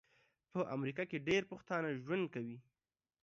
په امریکا کې ډیر پښتانه ژوند کوي